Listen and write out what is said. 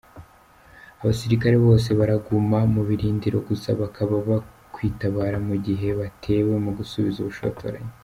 Abasirikari bose baraguma mu birindiro gusa bakaba bakwitabara mu gihe batewe mu gusubiza ubushotoranyi.